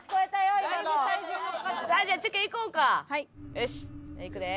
よしっ行くで。